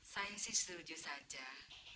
saya sih setuju saja